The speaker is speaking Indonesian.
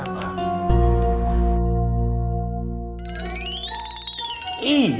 jangan sampai mudah terpencil